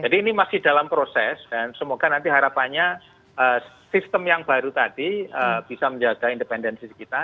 jadi ini masih dalam proses dan semoga nanti harapannya sistem yang baru tadi bisa menjaga independensi kita